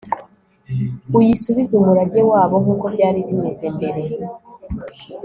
uyisubize umurage wabo nk'uko byari bimeze mbere